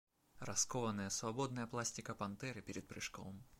Раскованная свободная пластика пантеры перед прыжком.